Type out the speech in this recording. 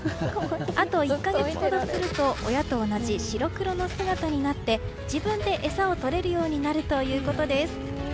あと１か月ほどすると親と同じ白黒の姿になって自分で餌をとれるようになるということです。